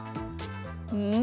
うん？